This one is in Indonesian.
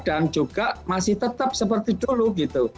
dan juga masih tetap seperti dulu gitu